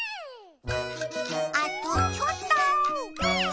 あとちょっと。